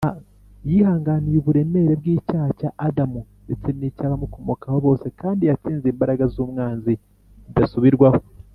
yihanganiye uburemere bw’icyaha cya adamu, ndetse n’icy’abamukomokaho bose, kandi yatsinze imbaraga z’umwanzi bidasubirwaho